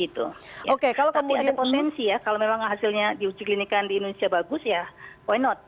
tapi ada potensi ya kalau memang hasilnya di uji klinikan di indonesia bagus ya why not